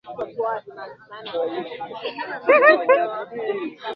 Alipigana na jangwa lile kwa ujasiri